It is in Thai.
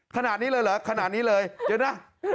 ขนาดนี้เลยเหรอขนาดนี้เลยเดี๋ยวนะ